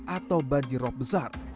atau banjir rok besar